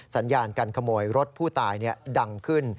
สัญญาการขโมยรถผู้ตายดังขึ้น